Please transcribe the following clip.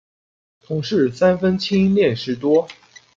同事三分亲恋事多。